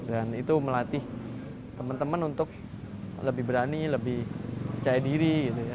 dan itu melatih teman teman untuk lebih berani lebih percaya diri